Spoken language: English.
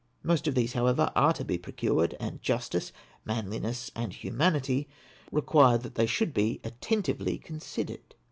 Most of these, however, are to be procured, and justice, manliness, and humanity require they should be attentively considered.